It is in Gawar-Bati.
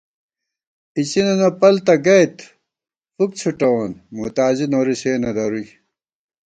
اِڅِننہ پل تہ گئیت فُک څُھوٹَوون، موتازی نوری سےنہ درُوئی